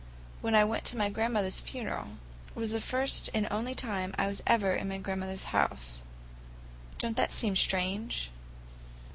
When I went to my grandmother's funeral was the only time I was ever in my grandmother's house. Don't that seem strange?"